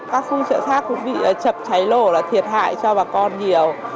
các khu chợ xác cũng bị chập cháy lổ là thiệt hại cho bà con nhiều